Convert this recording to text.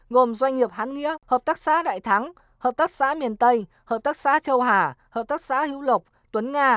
gồm doanh nghiệp hán nghĩa hợp tác xã đại thắng hợp tác xã miền tây hợp tác xã châu hà hợp tác xã hữu lộc tuấn nga